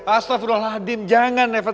astaghfirullahaladzim jangan reva